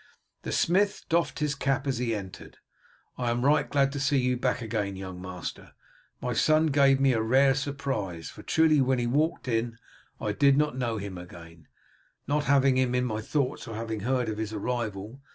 The smith doffed his cap as he entered. "I am right glad to see you back again, young master. My son gave me a rare surprise, for truly when he walked in I did not know him again, not having had him in my thoughts or having heard of his arrival.